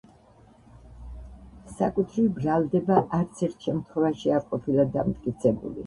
საკუთრივ ბრალდება არც ერთ შემთხვევაში არ ყოფილა დამტკიცებული.